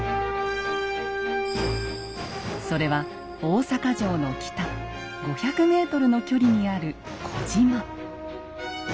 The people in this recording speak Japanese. それは大坂城の北５００ｍの距離にある小島。